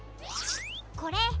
これ。